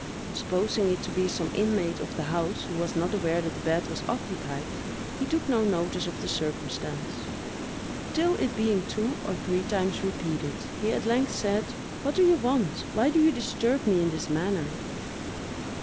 Supposing it to be some inmate of the house, who was not aware that the bed was occupied, he took no notice of the circumstance, till it being two or three times repeated, he at length said, "What do you want? Why do you disturb me in this manner?"